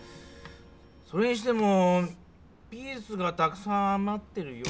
それにしてもピースがたくさんあまってるような？